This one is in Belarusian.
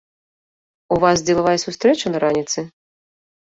У вас дзелавая сустрэча на раніцы?